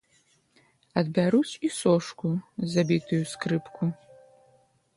Адбяруць і сошку за бітую скрыпку.